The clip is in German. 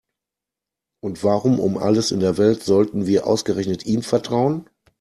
Und warum um alles in der Welt sollten wir ausgerechnet ihm vertrauen?